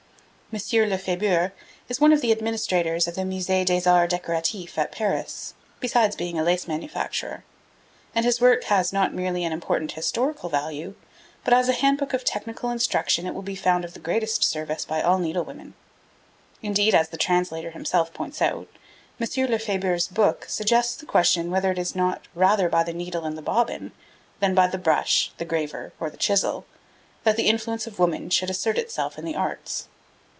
M. Lefebure is one of the administrators of the Musee des Arts Decoratifs at Paris, besides being a lace manufacturer; and his work has not merely an important historical value, but as a handbook of technical instruction it will be found of the greatest service by all needle women. Indeed, as the translator himself points out, M. Lefebure's book suggests the question whether it is not rather by the needle and the bobbin, than by the brush, the graver or the chisel, that the influence of woman should assert itself in the arts.